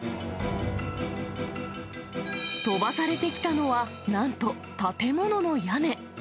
飛ばされてきたのは、なんと、建物の屋根。